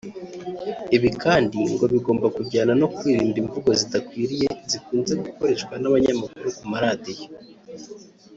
Ibi kandi ngo bigomba kujyana no kwirinda imvugo zidakwiriye zikunze gukoreshwa n’abanyamakuru ku maradiyo